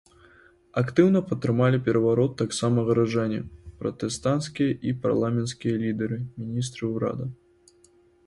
Актыўна падтрымалі пераварот таксама гараджане, пратэстанцкія і парламенцкія лідары, міністры ўрада.